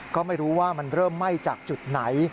ก็ไม่รู้ว่ามันเริ่มไหม้จากจุดไหน